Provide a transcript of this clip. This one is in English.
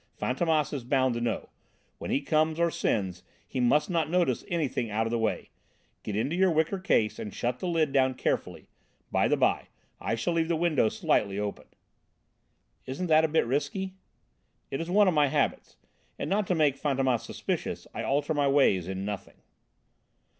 Fantômas is bound to know it: when he comes or sends, he must not notice anything out of the way. Get into your wicker case and shut the lid down carefully. By the by, I shall leave the window slightly open." "Isn't that a bit risky?" "It is one of my habits, and not to make Fantômas suspicious I alter my ways in nothing."